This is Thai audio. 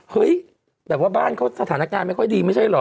เฮ้ยแบบว่าบ้านเขาสถานการณ์ไม่ค่อยดีไม่ใช่เหรอ